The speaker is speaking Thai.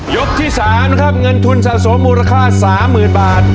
ที่๓นะครับเงินทุนสะสมมูลค่า๓๐๐๐บาท